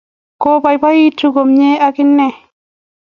Ko baibaitu komie ak inne